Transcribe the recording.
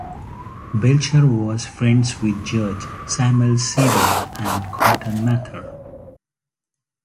Belcher was friends with Judge Samuel Sewall and Cotton Mather.